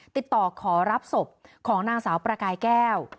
ติดต่อขอรับศพของนางสาวประกายแก้ว